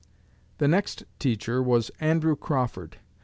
The next teacher was Andrew Crawford.